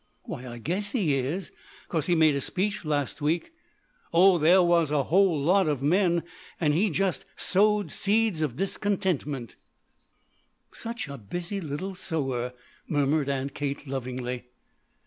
"Why I guess he is, 'cause he made a speech last week oh there was a whole lot of men and he just sowed seeds of discontentment." "Such a busy little sower!" murmured Aunt Kate lovingly.